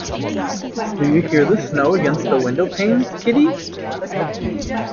Do you hear the snow against the window-panes, Kitty?